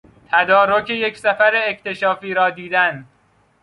تدارک یک سفر اکتشافی را دیدن